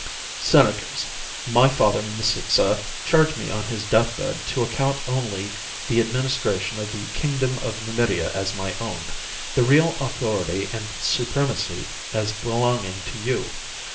"Senators, my father Micipsa charged me on his deathbed to account only the administration of the kingdom of Numidia as my own, the real authority and supremacy as belonging to you.